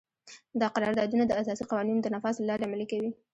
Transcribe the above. دا قراردادونه د اساسي قوانینو د نفاذ له لارې عملي کوي.